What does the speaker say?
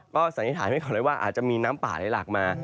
ก็สัญญาถ่ายไม่เข้าในว่าอาจจะมีน้ำป่าไหลหลากมา